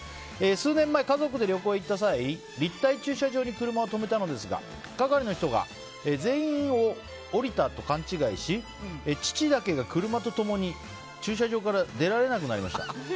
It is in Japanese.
数年前、家族で旅行に行った際立体駐車場に車を止めたのですが係の人が全員降りたと勘違いし父だけが車と共に、駐車場から出られなくなりました。